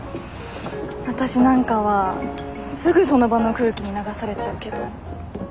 わたしなんかはすぐその場の空気に流されちゃうけど。